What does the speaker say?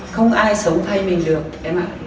không ai sống thay mình được em ạ